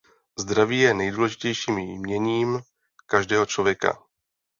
Zdraví je nejdůležitějším jměním každého člověka.